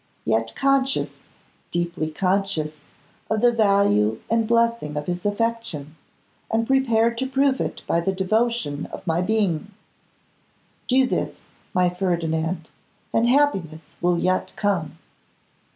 yet conscious, deeply conscious of the value and blessing of his affection, and prepared to prove it by the devotion of my being. Do this, my Ferdinand, and happiness will yet come.